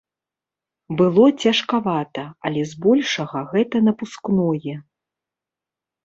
Было цяжкавата, але збольшага гэта напускное.